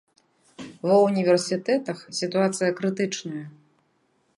Ва ўніверсітэтах сітуацыя крытычная.